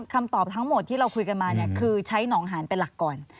คำตอบทั้งหมดที่เราคุยกันมาเนี่ยคือใช้หนองหานเป็นหลักก่อน